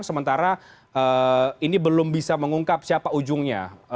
sementara ini belum bisa mengungkap siapa ujungnya